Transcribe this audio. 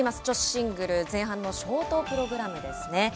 女子シングル前半のショートプログラムですね。